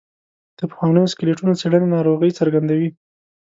د پخوانیو سکلیټونو څېړنې ناروغۍ څرګندوي.